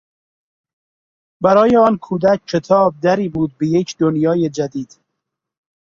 برای آن کودک کتاب دری بود به یک دنیای جدید.